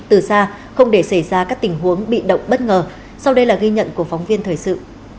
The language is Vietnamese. từ xa không để xảy ra các tình huống bị động bất ngờ sau đây là ghi nhận của phóng viên thời sự